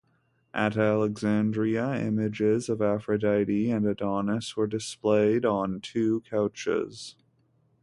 At Alexandria, images of Aphrodite and Adonis were displayed on two couches.